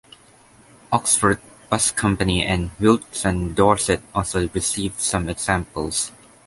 Oxford Bus Company and Wilts and Dorset also received some examples.